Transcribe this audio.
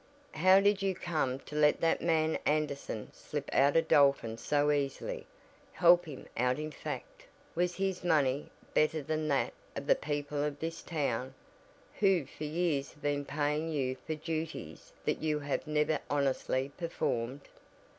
How did you come to let that man Anderson slip out of Dalton so easily help him out in fact? Was his money better than that of the people of this town, who for years have been paying you for duties that you have never honestly performed?"